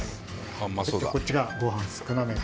こっちがご飯少なめ。